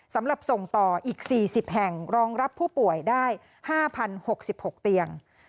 สำหรับส่งต่ออีก๔๐แห่งรองรับผู้ป่วยได้๕๐๖๖เตียง